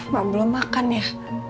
mbak belum makan ya